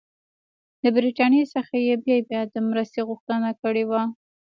له برټانیې څخه یې بیا بیا د مرستې غوښتنه کړې وه.